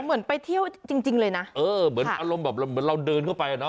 เหมือนไปเที่ยวจริงจริงเลยนะเออเหมือนอารมณ์แบบเหมือนเราเดินเข้าไปอ่ะเนอ